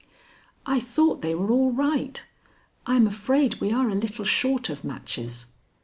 "I thought they were all right. I'm afraid we are a little short of matches."